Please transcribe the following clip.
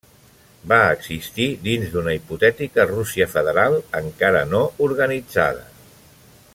Va existir dins d'una hipotètica Rússia federal encara no organitzada.